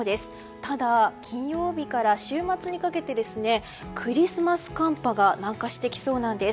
ただ、金曜日から週末にかけてクリスマス寒波が南下してきそうなんです。